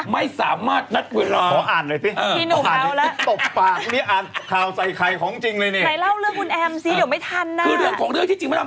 ไม่สามารถนัดเวลา